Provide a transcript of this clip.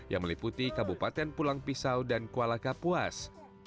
yang meliputi kabupaten pulang pisau dan kuala kapuas